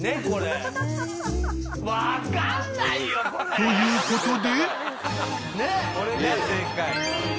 ということで］